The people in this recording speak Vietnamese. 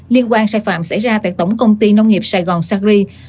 liên quan sai phạm xảy ra tại tổng công ty nông nghiệp sài gòn sacri